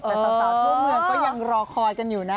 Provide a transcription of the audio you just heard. แต่สาวทั่วเมืองก็ยังรอคอยกันอยู่นะ